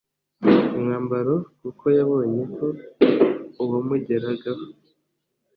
umwambaro kuko yabonye ko uwamugeragaho